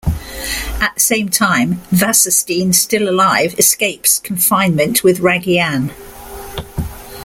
At the same time, Wasserstein, still alive, escapes confinement with Raggy Ann.